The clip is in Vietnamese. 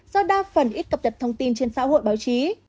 do đa phần ít cập nhật thông tin trên xã hội báo chí